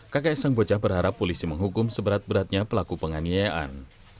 kakek sang bocah berharap polisi menghukum seberat beratnya pelaku penganiayaan